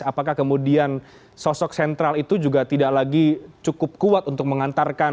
apakah kemudian sosok sentral itu juga tidak lagi cukup kuat untuk mengantarkan